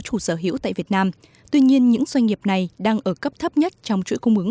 chủ sở hữu tại việt nam tuy nhiên những doanh nghiệp này đang ở cấp thấp nhất trong chuỗi cung ứng